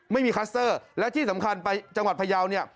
ไม่มีคัสเซอร์และที่สำคัญจังหวัดพระเยา